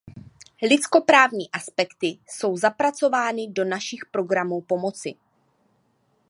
Lidskoprávní aspekty jsou zapracovány do našich programů pomoci.